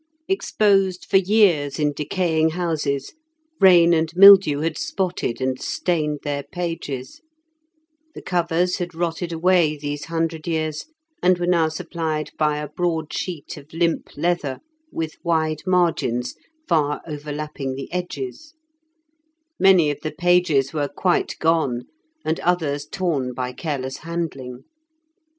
Exposed for years in decaying houses, rain and mildew had spotted and stained their pages; the covers had rotted away these hundred years, and were now supplied by a broad sheet of limp leather with wide margins far overlapping the edges; many of the pages were quite gone, and others torn by careless handling.